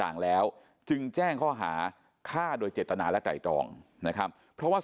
กลางแล้วจึงแจ้งข้อหาฆ่าโดยเจตนาและไตรตรองนะครับเพราะว่า